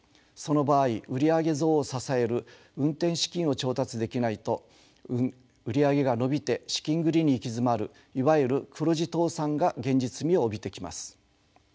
その場合売り上げ増を支える運転資金を調達できないと売り上げが伸びて資金繰りに行き詰まるいわゆる黒字倒産が現実味を帯びてきます。